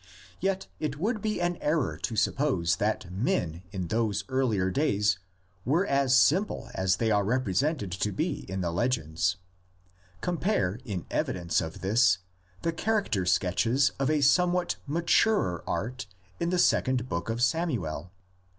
Yet it would be an error to suppose that men in those earlier days were as simple as they are represented to be in the legends; compare in evidence of this the character sketches of a somewhat maturer art in the Second Book of Samuel.